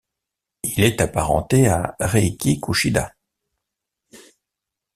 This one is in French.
Il est apparenté à Reiki Kushida.